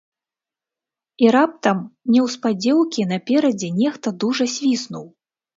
І раптам неўспадзеўкі наперадзе нехта дужа свіснуў.